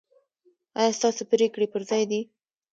ایا ستاسو پریکړې پر ځای دي؟